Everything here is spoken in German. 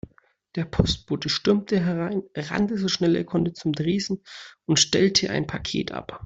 Der Postbote stürmte herein, rannte so schnell er konnte zum Tresen und stellte ein Paket ab.